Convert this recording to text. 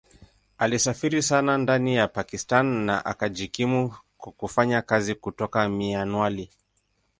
Alisafiri sana ndani ya Pakistan na akajikimu kwa kufanya kazi kutoka Mianwali.